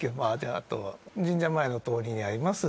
あと神社の前の通りにあります